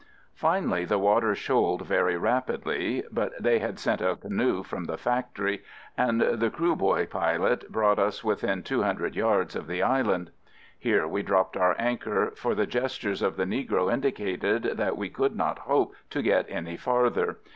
Finally, the water shoaled very rapidly, but they had sent a canoe from the factory, and the Krooboy pilot brought us within two hundred yards of the island. Here we dropped our anchor, for the gestures of the negro indicated that we could not hope to get any farther.